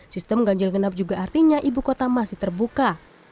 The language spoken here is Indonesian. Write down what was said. sistem ganjil genap juga artinya ibu kota masih terbuka